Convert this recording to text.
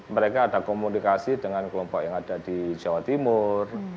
mereka ada komunikasi dengan kelompok yang ada di jawa timur